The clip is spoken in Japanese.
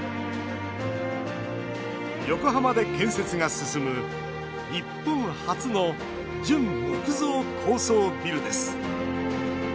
横浜で建設が進む日本初の純木造高層ビルです。